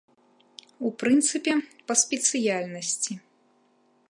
У прынцыпе, па спецыяльнасці.